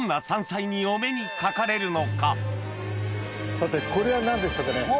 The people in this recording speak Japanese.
さてこれは何でしょうかね？